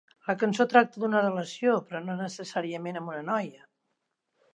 La cançó tracta d'una relació, però no necessàriament amb una noia.